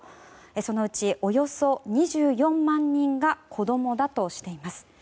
そのうちおよそ２４万人が子供だとしています。